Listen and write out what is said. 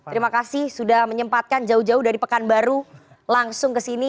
terima kasih sudah menyempatkan jauh jauh dari pekanbaru langsung ke sini